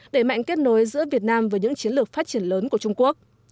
để mạnh kết nối giữa việt nam với những chiến lược phát triển lớn của trung quốc